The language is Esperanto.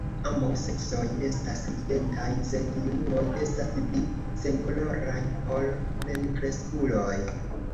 Ambaŭ seksoj estas identaj, sed junuloj estas pli senkoloraj ol plenkreskuloj.